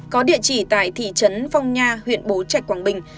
có địa chỉ tại thị trấn phong nha huyện bố trạch quảng bình